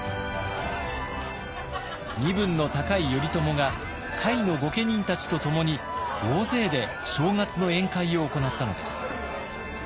身分の高い頼朝が下位の御家人たちとともに大勢で正月の宴会を行ったのです。